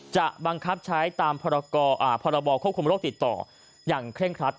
จะบังคับใช้ตามพรบควบคุมโรคติดต่ออย่างเคร่งครัด